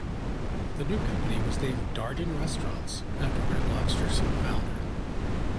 The new company was named Darden Restaurants, after Red Lobster's founder.